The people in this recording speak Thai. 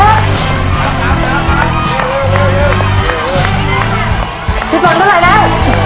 ซึ่งภายในตู้โบนัสสี่ตู้นี้นะฮะจะประกอบไปด้วยเงินหนึ่งหมื่นบาทหนึ่งตู้